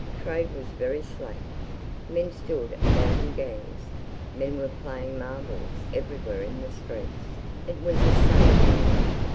Trade was very slack. Men stood about in gangs, men were playing marbles everywhere in the streets. It was a sunny morning.